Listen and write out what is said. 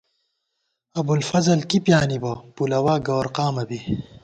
ابُوالفضل کی پیانِبہ ، پُلَوا گوَر قامہ بی